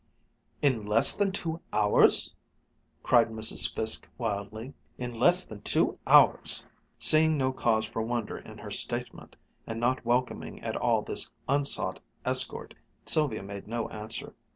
"In less than two hours!" cried Mrs. Fiske wildly. "In less than two hours!" Seeing no cause for wonder in her statement, and not welcoming at all this unsought escort, Sylvia made no answer.